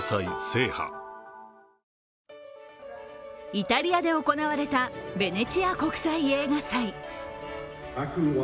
イタリアで行われたベネチア国際映画祭。